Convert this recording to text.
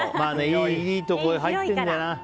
いいところに入ってんだよな。